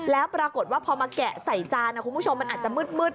แล้วปรากฏว่าพอมาแกะใส่จานคุณผู้ชมมันอาจจะมืด